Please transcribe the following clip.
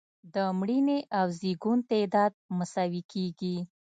د مړینې او زیږون تعداد مساوي کیږي.